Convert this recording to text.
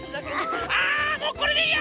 あもうこれでいいや！